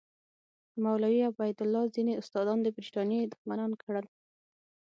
مولوي عبیدالله ځینې استادان د برټانیې دښمنان کړل.